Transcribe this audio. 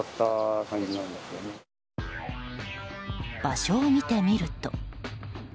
場所を見てみると。